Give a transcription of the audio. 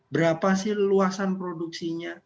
berapa sih luasan produksinya